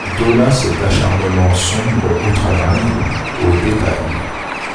De là cet acharnement sombre au travail, aux détails.